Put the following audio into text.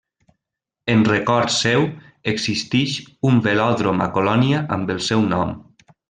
En record seu existeix un velòdrom a Colònia amb el seu nom.